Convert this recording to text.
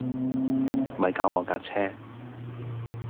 咪搞我架車